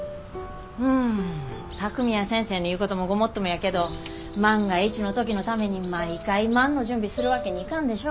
うん巧海や先生の言うこともごもっともやけど万が一の時のために毎回「万」の準備するわけにいかんでしょ。